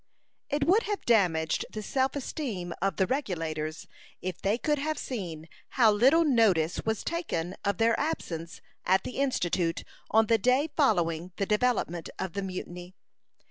It would have damaged the self esteem of the Regulators if they could have seen how little notice was taken of their absence at the Institute on the day following the development of the mutiny.